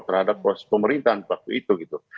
terhadap proses pemerintahan waktu itu gitu